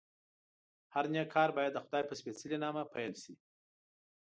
هر نېک کار باید دخدای په سپېڅلي نامه پیل شي.